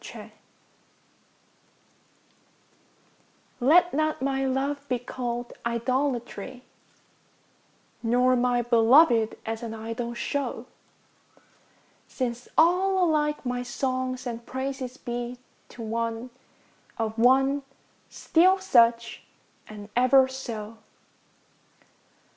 CV Let not my love be callŌĆÖd idolatry, Nor my beloved as an idol show, Since all alike my songs and praises be To one, of one, still such, and ever so.